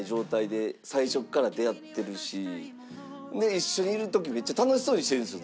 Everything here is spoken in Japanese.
一緒にいる時めっちゃ楽しそうにしてるんですよ。